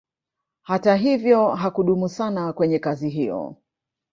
Hata hivyo hakudumu sana kwenye kazi hiyo